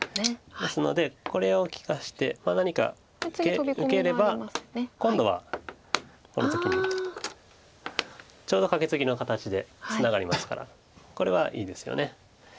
ですのでこれを利かして何か受ければ今度はこの時にちょうどカケツギの形でツナがりますからこれはいいですよね。